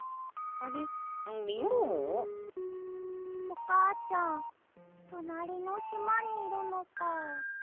おかあちゃんとなりのしまにいるのか。